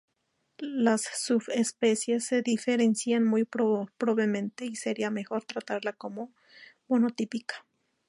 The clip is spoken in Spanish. Las subespecies se diferencian muy pobremente y sería mejor tratarla como monotípica.